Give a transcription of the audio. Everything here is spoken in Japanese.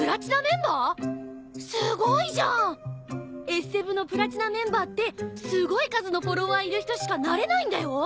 エッセ・ヴのプラチナメンバーってすごい数のフォロワーいる人しかなれないんだよ！